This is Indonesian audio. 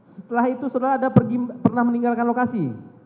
setelah itu sudah ada pernah meninggalkan lokasi